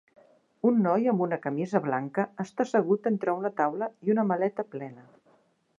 Un noi amb una camisa blanca està assegut entre una taula i una maleta plena.